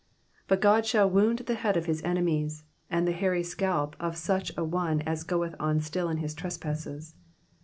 21 But God shall wound the head of his enemies, atid the hairy scalp of such an one as goeth on still in his trespasses.